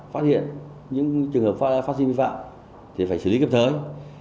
phát hiện những trường hợp phát sinh vi phạm thì phải xử lý kịp thời